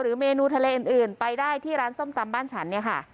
เมนูทะเลอื่นไปได้ที่ร้านส้มตำบ้านฉันเนี่ยค่ะ